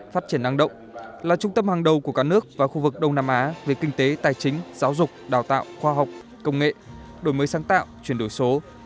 phát triển năng động là trung tâm hàng đầu của cả nước và khu vực đông nam á về kinh tế tài chính giáo dục đào tạo khoa học công nghệ đổi mới sáng tạo chuyển đổi số